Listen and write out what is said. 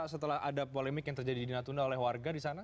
setelah ada polemik yang terjadi di natuna oleh warga di sana